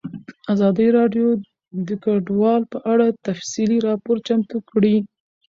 ازادي راډیو د کډوال په اړه تفصیلي راپور چمتو کړی.